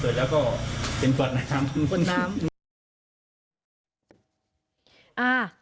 แต่ว่าพอเปิดมาเจ้าหน้าที่เปิดแล้วก็เป็นปลอดน้ำ